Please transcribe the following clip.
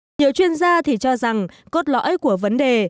nhiều chuyên gia thì cho rằng cốt lõi của vấn đề